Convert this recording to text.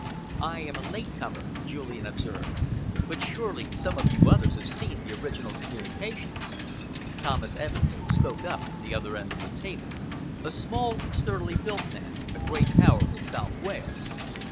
"I am a late comer," Julian observed, "but surely some of you others have seen the original communications?" Thomas Evans spoke up from the other end of the table, a small, sturdily built man, a great power in South Wales.